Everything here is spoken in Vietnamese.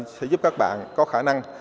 sẽ giúp các bạn có khả năng